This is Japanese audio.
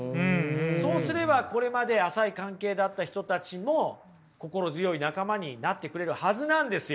そうすればこれまで浅い関係だった人たちも心強い仲間になってくれるはずなんですよ。